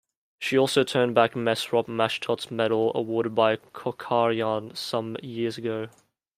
She also turned back Mesrop Mashtots Medal awarded by Kocharyan some years ago.